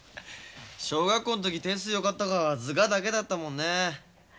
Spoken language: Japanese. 小学校の時点数よかったがは図画だけだったもんね。